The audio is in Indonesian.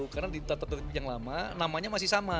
karena di tata tertib yang lama namanya masih sama